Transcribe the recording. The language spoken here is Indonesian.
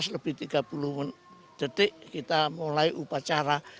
delapan belas tiga belas lebih tiga puluh detik kita mulai upacara